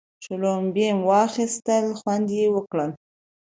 شلومبې مو واخيستې خوند یې وکړ.